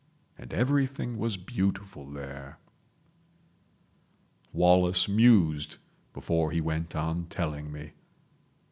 And everything was beautiful there ..... Wallace mused before he went on telling me.